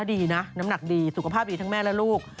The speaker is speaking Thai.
ดีนะสุขภาพดีทั้งแม่และลูก